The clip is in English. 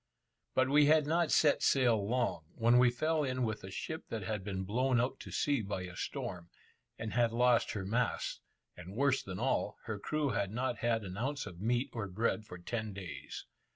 But we had not set sail long, when we fell in with a ship that had been blown out to sea by a storm, and had lost her masts; and, worse than all, her crew had not had an ounce of meat or bread for ten days.